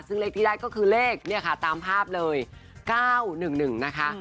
ซึ่งเลขที่ได้ก็คือเลขเนี่ยค่ะตามภาพเลย๙๑๑นะคะ